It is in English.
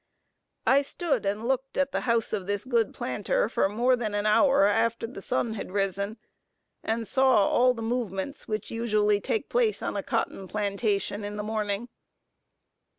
I stood and looked at the house of this good planter for more than an hour after the sun had risen, and saw all the movements which usually take place on a cotton plantation in the morning.